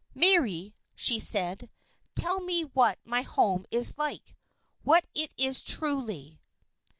"Mary," she said, "tell me what my home is like what it is truly."